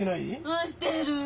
あっしてる！